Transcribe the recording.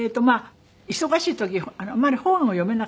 忙しい時あんまり本を読めなかったのね。